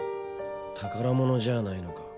宝物じゃないのか？